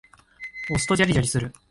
押すとジャリジャリする。